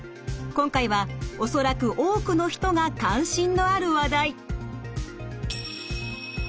今回は恐らく多くの人が関心のある話題。